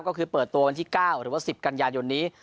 ก็คือเปิดตัววันที่๙หรือว่า๑๐กันยายนนี้